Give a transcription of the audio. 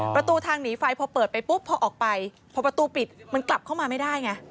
ประตูทางหนีไฟพอเปิดไปปุ๊บพอออกไปพอประตูปิดมันกลับเข้ามาไม่ได้ไง